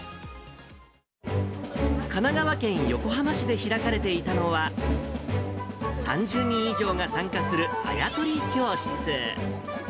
神奈川県横浜市で開かれていたのは、３０人以上が参加するあや取り教室。